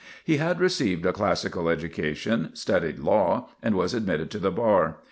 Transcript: He had received a classical education, studied law and was admitted to the bar.